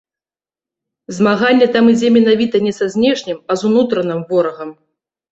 Змаганне там ідзе менавіта не са знешнім, а з унутраным ворагам.